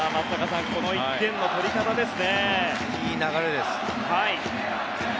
この１点の取り方ですね。